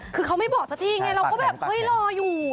คือเขาไม่บอกสักทีไงเราก็แบบเฮ้ยรออยู่